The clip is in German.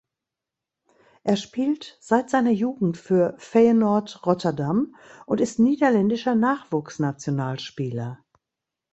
Er spielt seit seiner Jugend für Feyenoord Rotterdam und ist niederländischer Nachwuchsnationalspieler.